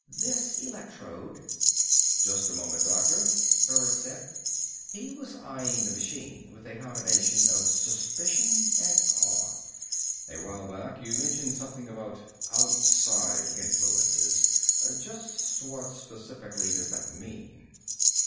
"This electrode " "Just a moment, doctor," Burris said. He was eying the machine with a combination of suspicion and awe. "A while back you mentioned something about 'outside influences.' Just what, specifically, does that mean?"